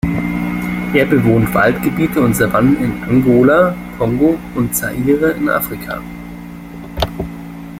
Er bewohnt Waldgebiete und Savannen in Angola, Kongo und Zaire in Afrika.